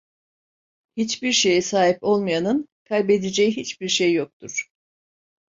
Hiçbir şeye sahip olmayanın kaybedeceği hiçbir şey yoktur.